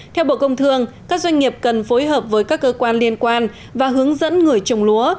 theo bộ công thương các doanh nghiệp cần phối hợp với các cơ quan liên quan và hướng dẫn người trồng lúa